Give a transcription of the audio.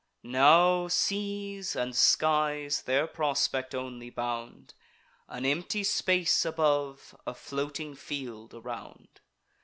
Now seas and skies their prospect only bound; An empty space above, a floating field around.